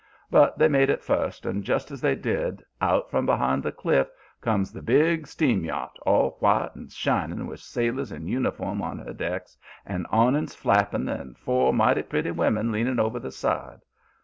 But they made it first, and, just as they did, out from behind the cliff comes the big steam yacht, all white and shining, with sailors in uniform on her decks, and awnings flapping, and four mighty pretty women leaning over the side.